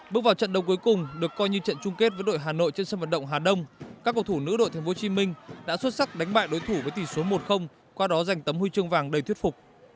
bước vào trận đấu cuối cùng được coi như trận chung kết với đội hà nội trên sân vận động hà đông các cổ thủ nữ đội tp hcm đã xuất sắc đánh bại đối thủ với tỷ số một qua đó giành tấm huy chương vàng đầy thuyết phục